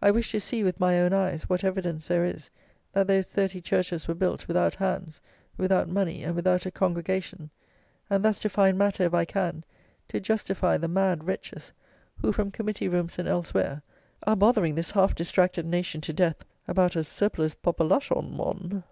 I wish to see, with my own eyes, what evidence there is that those thirty churches were built without hands, without money, and without a congregation; and thus to find matter, if I can, to justify the mad wretches, who, from Committee Rooms and elsewhere, are bothering this half distracted nation to death about a "surplus popalashon, mon."